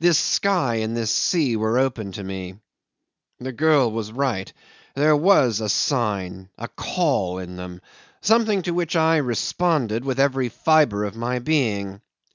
This sky and this sea were open to me. The girl was right there was a sign, a call in them something to which I responded with every fibre of my being.